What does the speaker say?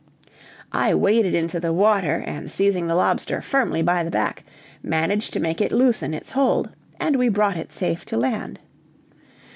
I waded into the water, and seizing the lobster firmly by the back, managed to make it loosen its hold, and we brought it safe to land.